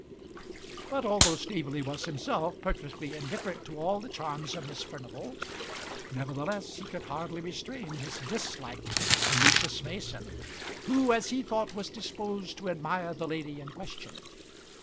But although Staveley was himself perfectly indifferent to all the charms of Miss Furnival, nevertheless he could hardly restrain his dislike to Lucius Mason, who, as he thought, was disposed to admire the lady in question.